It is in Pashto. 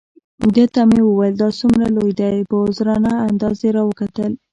ده ته مې وویل: دا څومره لوی دی؟ په عذرانه انداز یې را وکتل.